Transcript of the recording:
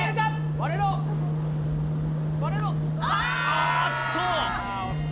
あーっと！